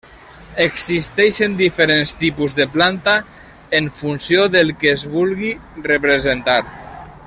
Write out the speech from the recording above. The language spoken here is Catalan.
Existeixen diferents tipus de planta en funció del que es vulgui representar.